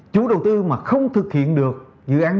chủ đầu tư mà không thực hiện được dự án